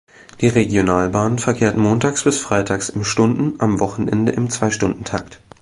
Die Regionalbahn verkehrt montags bis freitags im Stunden-, am Wochenende im Zwei-Stunden-Takt.